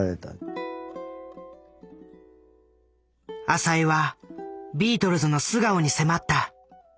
浅井はビートルズの素顔に迫った。